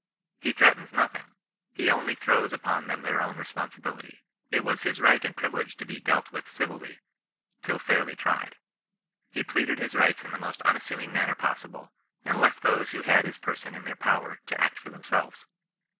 He threatens nothing ; he only throws them upon their own responsibility. It was his right and privilege to be dealt with civilly, till fairly tried. He pleaded his rights in the most unas suming manner possible, and left those who had his Eerson in their power, to act for themselves.